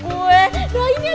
doainnya doainnya susan